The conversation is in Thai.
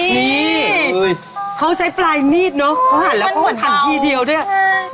นี่เขาใช้ปลายมีดนะเขาหั่นแล้วเขาหั่นทันคี่เดียวเลย